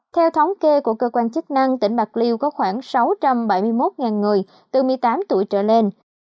theo thống kê của cơ quan chức năng tỉnh bạc liêu có khoảng sáu trăm bảy mươi một người từ một mươi tám tuổi trở lên